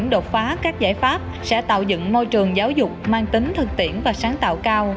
đột phá các giải pháp sẽ tạo dựng môi trường giáo dục mang tính thực tiễn và sáng tạo cao